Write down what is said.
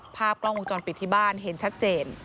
ภาพกล้องวงจรปิดที่บ้านเห็นชัดเจน